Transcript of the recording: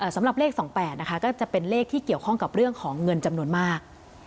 สำหรับเลข๒๘นะคะก็จะเป็นเลขที่เกี่ยวข้องกับเรื่องของเงินจำนวนมาก